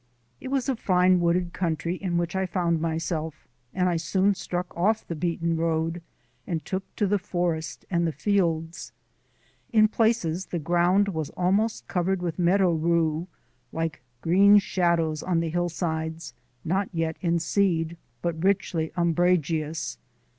It was a fine wooded country in which I found myself, and I soon struck off the beaten road and took to the forest and the fields. In places the ground was almost covered with meadow rue, like green shadows on the hillsides, not yet in seed, but richly umbrageous.